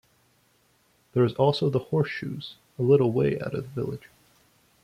There is also the Horseshoes, a little way out of the village.